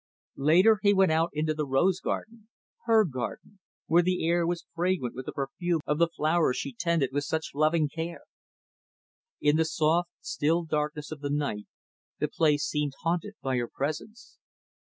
Later, he went out into the rose garden her garden where the air was fragrant with the perfume of the flowers she tended with such loving care. In the soft, still darkness of the night, the place seemed haunted by her presence.